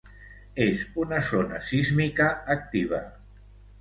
És una zona sísmica activa.